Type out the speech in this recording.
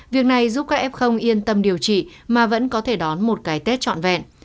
việc này giúp các f yên tâm điều trị mà vẫn có thể đón một cái tết trọn vẹn